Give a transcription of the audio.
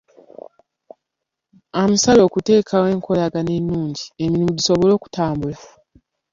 Amusabye okuteekawo enkolagana ennungi, emirimu gisobole okutambula.